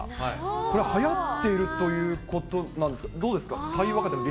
これ、はやってるということなんですか、どうですか？